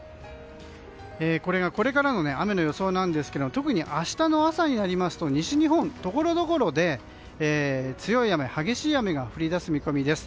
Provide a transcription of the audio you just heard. これがこれからの雨の予想なんですけども特に明日の朝になりますと西日本、ところどころで強い雨、激しい雨が降り出す見込みです。